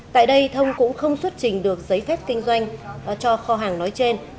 tại đây thông cũng không xuất trình được giấy phép kinh doanh cho kho hàng nói trên